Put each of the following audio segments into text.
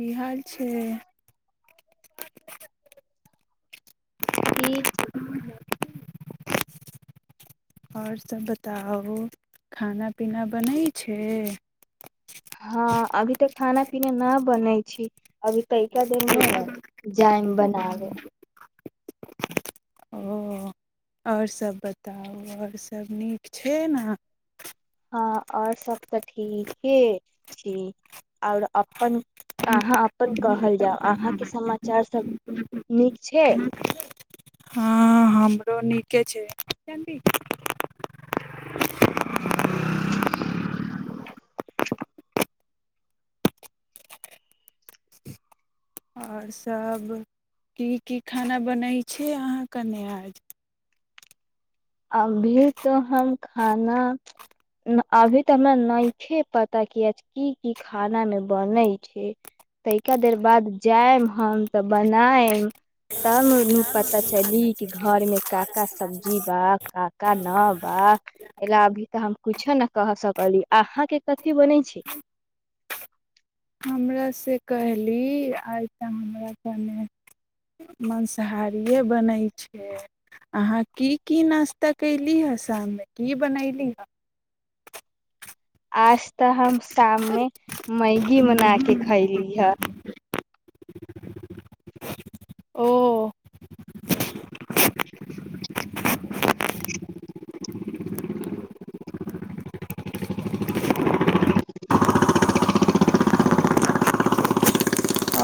की हाल छै ठीक छै आओर सभ बताउ खाना पीना बनै छै हँ अभी तऽ खाना पीना न बनै छी अभी कई का देरमे जाइम बनाबे ओ आओर सभ बताउ आओर सभ नीक छै ने हँ आओर सब तऽ ठीके छी आओर अपन अ हाँ अपन कहल जाउ अहाँके समाचार सब नीक छै हँ हमरो नीके छै आओर सभ की की खाना बनै छै अहाँके न आज अभी तऽ हम खाना अभी तऽ हमरा नहि छै पता किया की की खाना मे बनैत छै तैा देर बाद जायब हम तऽ बनायब तब पता चली कि घरमे काका सब्जी बाग काका ने बा ए ल अभी तऽ हम कुछो ने क सकली अहा के कथि बनेै छै हमरँ कहली आइ तऽ हमरा कने माँसाहारिए बनै छै अहाँ की की नाश्ता कयली हे शाममे की बनयली हे आज तऽ हम शाममे मैगी बना क खयली ह हे ओ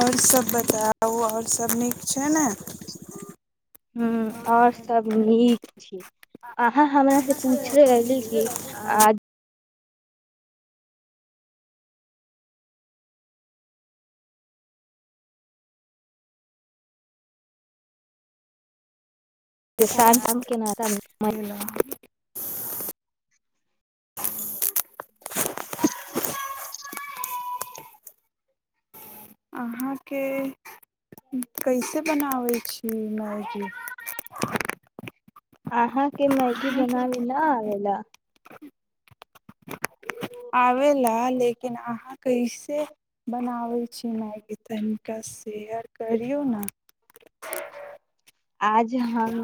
आओर सभ बताउ आओर सभ नीक छै ने ह आओर सब नीक छी आ हँ हँ मन से पूछल लग की अ जामाम के नातमे भेल अहाँके कैसे बनाबै छी मैगी आहा के मैगी बनाबी न आला आबे लए लेकिन अहाँ कैसे बनाबे छी मायके तनिका शेयर करियौ ने आज हम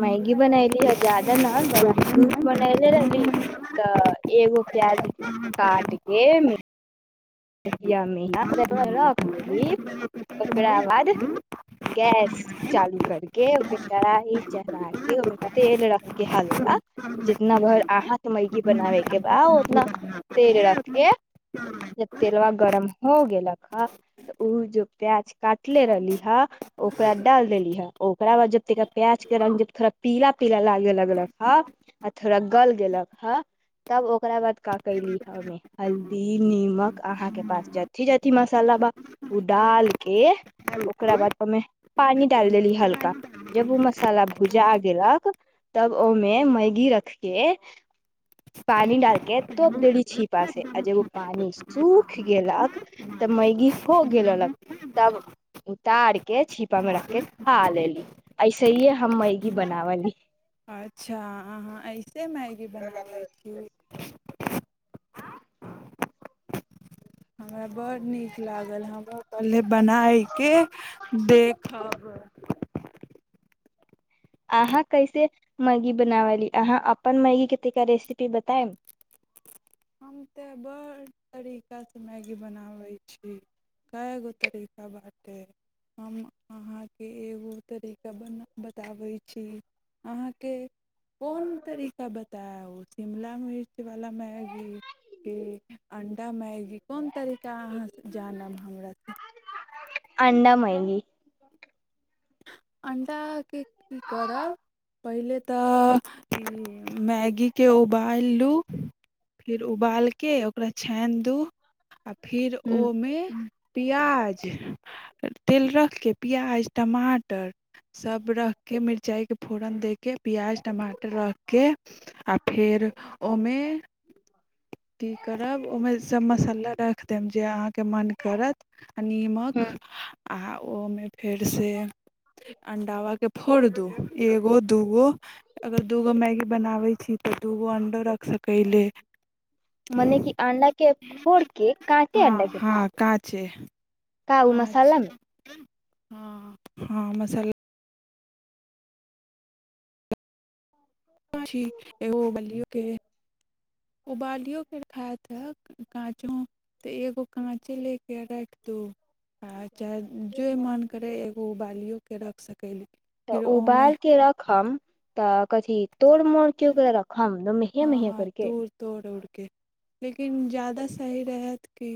मैगी बनली है ज्यादा न बस दूध बनले रहली तऽ एगो प्याज काटके मीडियम मे रख दी ओकरा बाद गैस चालू करके क चरा के ओहिमे तेल रखके हल्का जितना भर आहाथ मैर्गी बनाबे के बा उतना तेल रखके जब तेलबा गरम हो गेलक हऽ तऽ ओ जो प्याज काटले रहली हऽ ओकरा डालि देली हऽ ओकरा बाद जब तिका प्याजके रङ्ग जब थोड़ा पीला पीला लागे लगलक हऽ आ थोड़ा गलि गेलक हऽ तब ओकरा बाद क कयली हऽ ओहिमे हल्दी निक अहाँ के पास जथी जथी मसाला बा ओ डाल के ओकरा बाद ओहिमे पानी डाल देली हल्का जब ओ मसाला भुजा गक तब ओहिमे मैगी रख के पानी डालके तोप देली छीपा से आ जब ओ पानि सूख गेलक तऽ मैगी हो गेललक तब उतार के छीपा मे रख के खा लेली ऐसे हीे हम मैगी बनावली अच्छा अहाँ त मैगी बनाबै छी हमरा बड्ड नीक लागल हम पहिले बनाय कऽ देखब अहाँ कैसे मैगी बनाव ली अहाँ अपन मैगी कता रेसिपी बतायम हम तऽ बड़ तरीकासँ मैगी बनाबै छी कए गो तरीका बाँटय हम अहाँके एगो तरीका बना बताबै छी अहाँके कोन तरीका बताय ओ शिमला मिर्च वाला मै अणडा मैगी कोन तरीका अहाँ जानब हमर ी [inaudible] अण्डाके की करब पहिले तऽ मैगीके उबालि द दू फेर उबालके ओकरा छैन दू आ फेर हूँ ओहिमे पियाज तेल रखिक पियाज टमाटर सब रख के मिर्चाय के फोरन दे के पियाज टमाटर रख के आ फेर ओमे की करब ओ मे सब मसाला डाल के जे अहाँके मन करत निमक ह आ ओ मे फेर से अंडवा के फोर दो एगो दूगो दूगो अगर मैगी बनाबै छि त दु गो अंडो रख सकिले मने कि अंडा के फोड़ के काटे हा अंडा के हा काचे का उ मसाला मे हुँ हँ मसाला एगो बियो के ओ उबालियो के खाय त काँचो तऽ एगो काँचे ले के राख दू आ चाहे जे मन करे एगो उबालियो के रख सकली तऽ फिर ओमे उबाल के रखम तऽ ठीक तोड़ मोड़ क ओकरा रखम ए महिय करके पड़ उड़के लेकिन ज्यादा सही रहत कि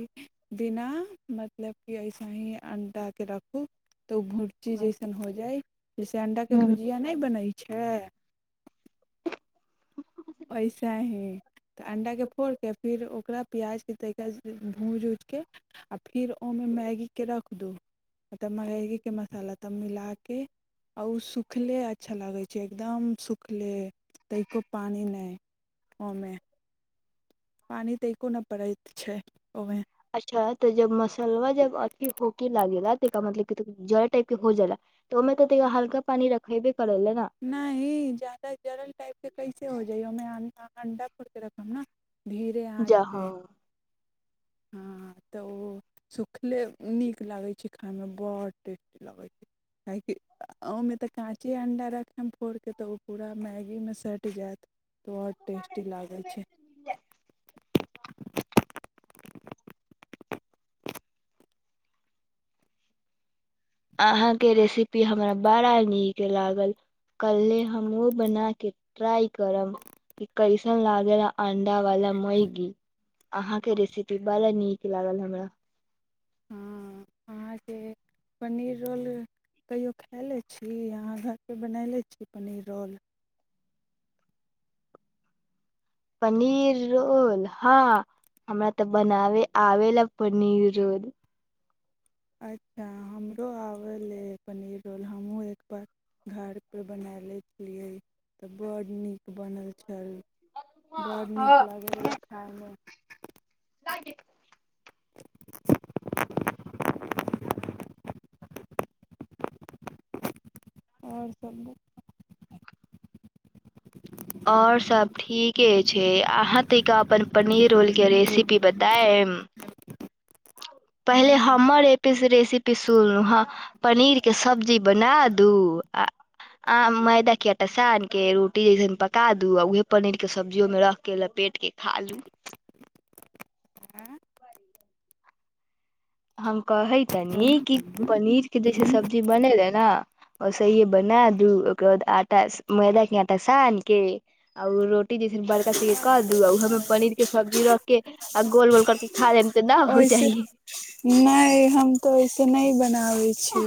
बिना मतलब कि अऐसे ही अणडाके राखू तऽ ओ भुर्जी जैसन हो जाय जैसे अंडा के ह भुजिया नहि बन छै वैसे ही तऽ अण्डाके फोड़ कऽ फेर ओकरा प्याजके तरीका भूजि उज के आओर फिर ओहिमे मैगीके रख दू मतलब मैगीके मसाला तब मिलाके आओर ओ सुखले अच्छा लगै छै एकदम सुखले तायस पानी मे ओ मे पानी त अच्छा तऽ जब मसलवा जब अथी होके लागेला मतलब जर टाइप के हो जा त ओहिमे तऽ हल्क पानी रखेब नहि ही ज़्यदा जरल टाइप के कै हो जाय अंडा फोर के रखब न धीरे आँच जा हँ पे हँ तऽ ओ सुखले नीक लागैत छै खायमे बड् टेस्टी लगैत छै काहेकि ओहिमे तऽ काँचे अंडा रख फोड़िक तऽ ओ पूरा मैगीमे सटि जायत बड टेस्टी लागे छै अहााँके रेसिपी हमरा बड़ा नीक लागल कले हम ओ बना के ट्राइ करब कि कैसन लागल अंडा वाला मैगी अहााँके रेसिपी बड़ा नीक लागल हमरा हँ अहाँके पनीर रोल कहियओ खाए लै छी अहाँ घरपर बनाए लै छी पनीर रोल पनीर रोल हँ हमरा तऽ बनाबे आबे लए पनीर रोल अच्छा हमरो आबै पनीर रोल हमहूँ एक बार घरपर बनाए लै छलियै तऽ बड्ड नीक बनल छल बड़ नीक लागे रह खाायमे आओर सभ आओर सब ठीके छै अहाँ ता अपन पनीर रोलके रेसिपी बतायब पहिले हँ हमर रेसिपी सुनलू ह पनीर के सब्जी बना दू आ आ मैदा कियाटा सान के रोटी जैसन पका दू आ उहे पनीर के सब्जियो में रख के लपेट के खा लू हम कहै तनी कि पनीर के जेसे सब्जी बनेेले ने ओस हे बना दू ओकर बाद आटा मैदा के आटा सान के आ उ रोटी जेसे बड़का च क दू उमें पनीर के सब्जी रख के आ गोल गोल कर के खा ल तऽ नहि हो ओहिसे जाइ नहि हम तो ऐसे न ब बै छी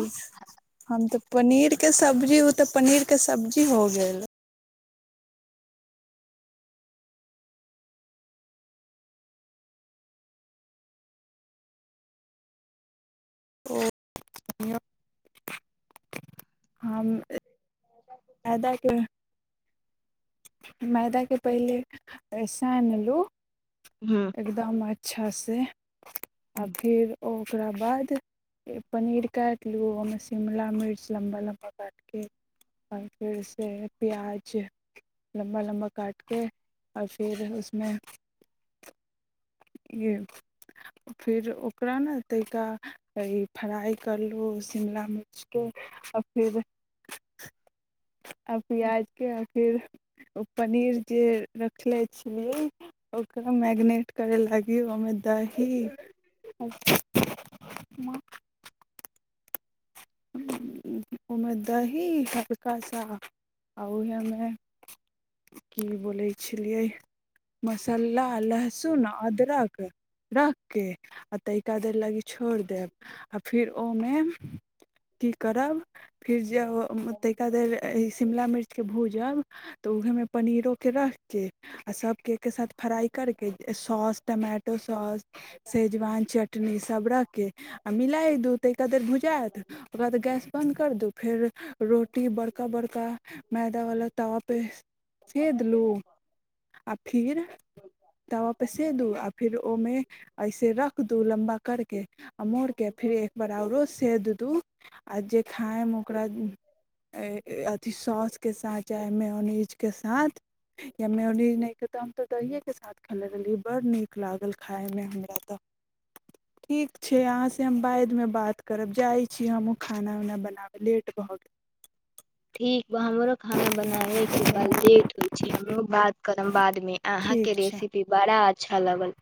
हम तऽ पनीरके सब्जी ओ तऽ पनीरके सब्जी हो गेल ओ हम फदा क मैदाके पहिले सानलहुँ हूँ एकदम अच्छा से आ फिर ओ ओकरा कर बाद पनीर काट लू ओहिमे शिमला मिर्च लम्बा लम्बा काटि कऽ आओर फेरसँ प्याज लम्बा लम्बा काटि कऽ आओर फेर उसमे ई फेर ओकरा ने तयिका ई फ्राइ करलहुँ शिमला मिर्चके आ फेर आ प्याज के आ फिर ओ पनीर जे रखले छियै मै् करय लागियौ हममे दाही ओमे दही हल्का सा आ ओहेमे की बोलै छलियै मसाला लहसुन अदरक रख के आ तरिका द लग छोड़ि देब आ फेर ओहिमे की करब फेर जेब तााादर शिमला मिर्चके भूजब तऽ उहमे पनीरोकेँ रखि कऽ आ सभके एकके साथ फ्राइ करि कऽ सॉस टमाटो सॉस सेजवान चटनीसभ रखि कऽ आ मििलै दू त एकदर भुजात ओकरा बाद गैस बन्द कर दू फेर रोटी बड़का बड़का मैदा वालला तावा पे सेे दलू आ फिर तवा पे सेे दू आ फिर ओहिमे ऐसे रख दू लम्बा करके आ मोड़ के फिर एक बार औरो से द दू आ जे खायायम ओकरा अथिी सौसके साथ चाहे मेोनीजके साथ या मेोनीज नहि ख तऽ हम तऽ दहिएके साथ अच बड़ नीक लागल खाय मे हमरा तऽ ठीक छै अहाँ से हम बाद मे बात करब जाइ छी हमहूँ खाना उना बनाबय लेट भऽ ठीक हमरो खाना बनाबे के ब गेल लेट होइ छै हम बात करब बाद मे अहा के ठीक छै रेसपी अच्छा लगल